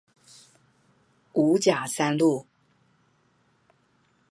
五甲三路